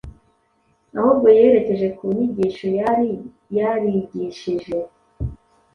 Ahubwo yerekeje ku nyigisho yari yarigishije.